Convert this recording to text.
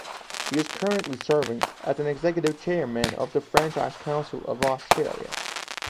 He is currently serving as the executive chairman of the Franchise Council of Australia.